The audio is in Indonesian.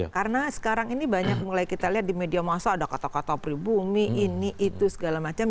karena sekarang ini banyak mulai kita lihat di media maso ada kata kata pribumi ini itu segala macam